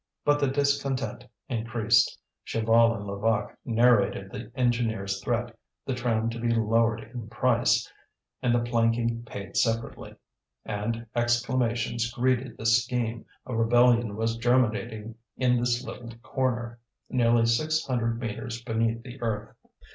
But the discontent increased; Chaval and Levaque narrated the engineer's threat, the tram to be lowered in price, and the planking paid separately. And exclamations greeted this scheme, a rebellion was germinating in this little corner, nearly six hundred metres beneath the earth.